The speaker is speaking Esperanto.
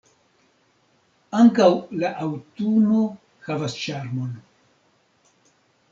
Ankaŭ la aŭtuno havas ĉarmon.